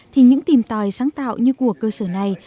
thì những tìm tòi sáng tạo như của cơ sở này